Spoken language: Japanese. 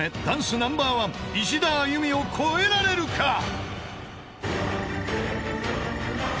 ダンスナンバーワン石田亜佑美を超えられるか］